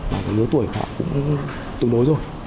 và cái lứa tuổi họ cũng tương đối rồi